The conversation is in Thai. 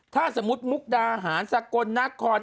ถ้าสมมุติมุกดาหารสกลนคร